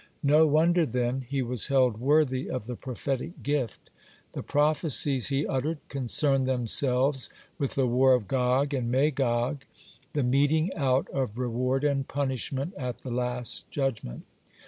(53) No wonder, then, he was held worthy of the prophetic gift. The prophecies he uttered concerned themselves with the war of Gog and Magog, the meting out of reward and punishment at the last judgment.